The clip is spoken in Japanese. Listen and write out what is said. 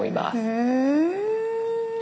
へえ！